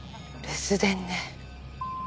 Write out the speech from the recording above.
留守電ね。